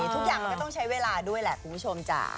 ทุกอย่างมันก็ต้องใช้เวลาด้วยแหละคุณผู้ชมจ๋า